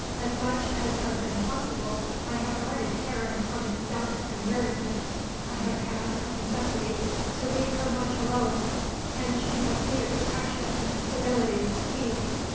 As much as has been possible I have guarded Karen from its dust and weariness. I have had, of necessity, to leave her much alone, and she has needed protection, stability, peace.